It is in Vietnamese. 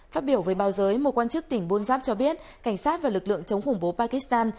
phát biểu với báo giới một quan chức tỉnh bunzab cho biết cảnh sát và lực lượng chống khủng bố pakistan